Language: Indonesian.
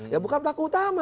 ya bukan pelaku utama